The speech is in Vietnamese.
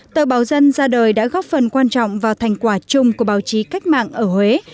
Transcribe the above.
tờ báo dân ra đời đã góp phần quan trọng vào thành quả chung của báo chí cách mạng ở huế